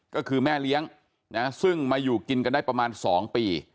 ก็คือแม่เลี้ยงซึ่งมาอยู่กินกันได้ประมาณ๒ปี